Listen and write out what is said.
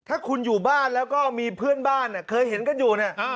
ถ้าคุณอยู่บ้านแล้วก็มีเพื่อนบ้านเนี่ยเคยเห็นกันอยู่เนี่ย